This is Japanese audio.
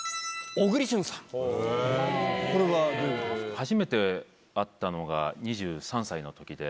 初めて会ったのが２３歳のときで。